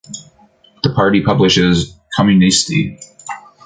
The party publishes "Komunisti".